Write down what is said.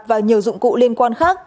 và nhiều dụng cụ liên quan